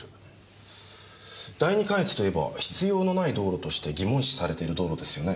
第二関越といえば必要のない道路として疑問視されている道路ですよね。